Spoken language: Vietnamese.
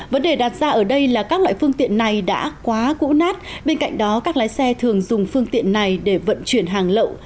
vấn đề đặt ra ở đây là các loại phương tiện này đã quá cũ nát bên cạnh đó các lái xe thường dùng phương tiện này để vận chuyển hàng lậu